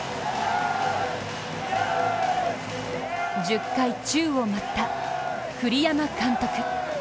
１０回、宙を舞った栗山監督。